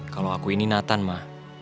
kalau aku ini nathan mah